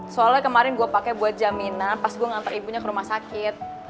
soalnya kemarin gue pakai buat jaminan pas gue ngantar ibunya ke rumah sakit